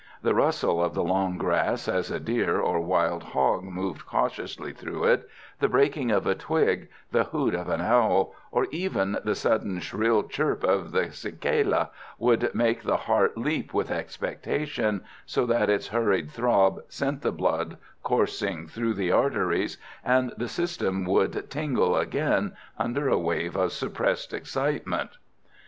The rustle of the long grass as a deer or wild hog moved cautiously through it, the breaking of a twig, the hoot of an owl, or even the sudden shrill chirp of the cicala would make the heart leap with expectation, so that its hurried throb sent the blood coursing through the arteries, and the system would tingle again under a wave of suppressed excitement.